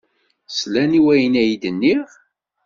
Slan i wayen ay d-nniɣ?